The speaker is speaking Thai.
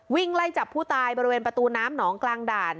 วิ่งไล่จับผู้ตายบริเวณประตูน้ำหนองกลางด่าน